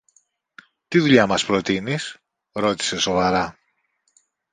Τι δουλειά μας προτείνεις; ρώτησε σοβαρά.